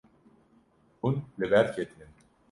Hûn li ber ketine.